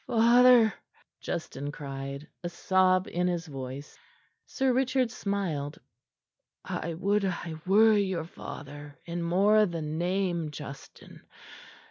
"Father!" Justin cried, a sob in his voice. Sir Richard smiled. "I would I were your father in more than name, Justin.